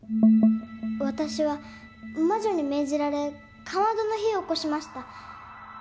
私は魔女に命じられかまどの火をおこしました。